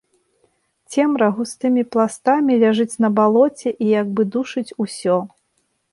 Цемра густымі пластамі ляжыць на балоце і як бы душыць усё.